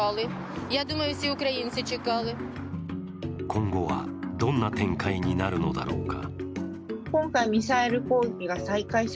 今後は、どんな展開になるのだろうか。